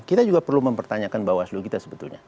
kita juga perlu mempertanyakan bawaslu kita sebetulnya